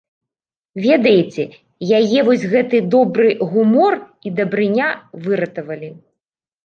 Ведаеце, яе вось гэты добры гумор і дабрыня выратавалі.